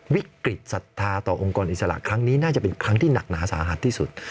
ศรัทธาต่อองค์กรอิสระครั้งนี้น่าจะเป็นครั้งที่หนักหนาสาหัสที่สุด